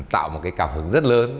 tạo một cái cảm hứng rất lớn